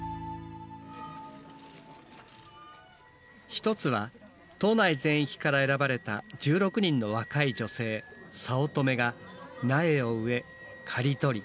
一つは島内全域から選ばれた１６人の若い女性「早乙女」が苗を植え刈り取り